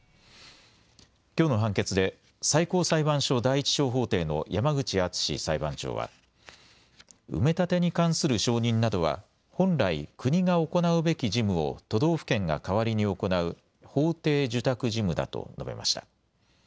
きょうの判決で最高裁判所第１小法廷の山口厚裁判長は埋め立てに関する承認などは本来、国が行うべき事務を都道府県が代わりに行う法定受託事務だと述べました。